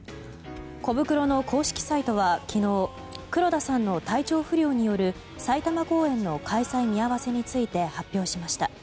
コブクロの公式サイトは昨日黒田さんの体調不良による埼玉公演の開催見合わせについて発表しました。